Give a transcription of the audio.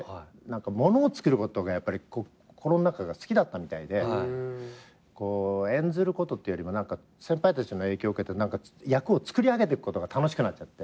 ものをつくることがやっぱり心の中が好きだったみたいで演ずることってよりも先輩たちの影響を受けて役を作り上げてくことが楽しくなっちゃって。